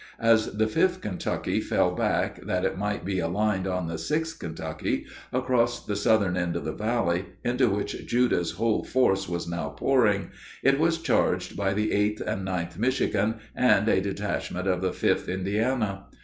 As the 5th Kentucky fell back that it might be aligned on the 6th Kentucky, across the southern end of the valley, into which Judah's whole force was now pouring, it was charged by the 8th and 9th Michigan and a detachment of the 5th Indiana.